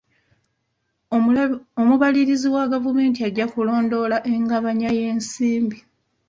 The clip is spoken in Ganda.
Omubalirizi wa gavumenti ajja kulondoola engabanya y'ensimbi.